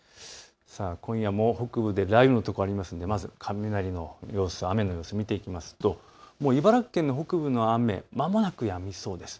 今夜も北部で雷雨の所がありますので、まず雷の様子、雨の様子を見ていきますと茨城県の北部の雨、まもなくやみそうです。